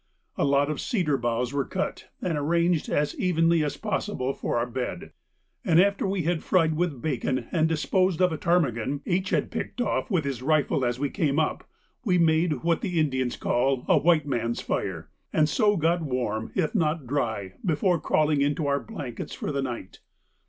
A lot of cedar boughs were cut and arranged as evenly as possible for our bed, and after we had fried with bacon and disposed of a ptarmigan H. had picked off with his rifle as we came up, we made what the Indians called 'a white man's fire,' and so got warm if not dry before crawling into our blankets for the night.